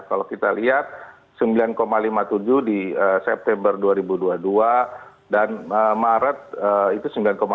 kalau kita lihat sembilan lima puluh tujuh di september dua ribu dua puluh dua dan maret itu sembilan lima